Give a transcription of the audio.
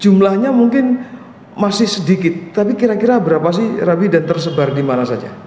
jumlahnya mungkin masih sedikit tapi kira kira berapa sih rabi dan tersebar di mana saja